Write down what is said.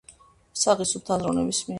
საღი, სუფთა აზროვნების მიერ.